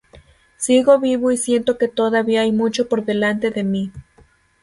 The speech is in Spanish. Sigo vivo y siento que todavía hay mucho por delante de mí.